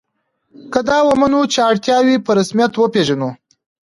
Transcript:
که دا ومنو چې اړتیاوې په رسمیت وپېژنو.